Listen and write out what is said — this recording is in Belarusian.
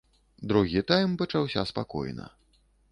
Другі тайм пачаўся спакойна.